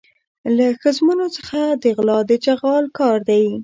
له ښځمنو څخه غلا د چغال کار دی.